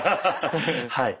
はい。